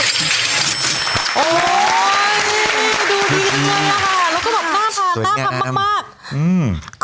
ดูดีจังเลยล่ะค่ะแล้วก็ต้องกล้าทานทั้งทั้งมาก